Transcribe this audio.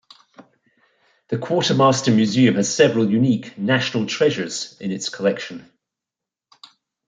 The Quartermaster Museum has several unique, "National Treasures" in its collection.